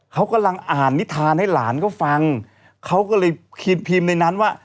เขากำลังอ่านนิทานให้หลานเขาฟังเขาก็เลยพิมพ์ในนั้นว่า